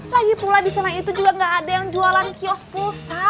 lagi pula di sana itu juga nggak ada yang jualan kios pulsa